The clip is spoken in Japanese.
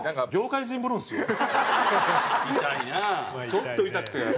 ちょっとイタくて。